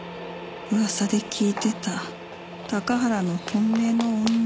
噂で聞いてた高原の本命の女。